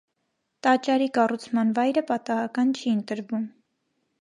Տաճարի կառուցման վայրը պատահական չի ընտրվում։